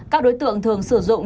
các đối tượng thường sử dụng